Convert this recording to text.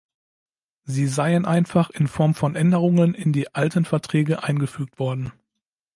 Sie seien einfach in Form von Änderungen in die alten Verträge eingefügt worden.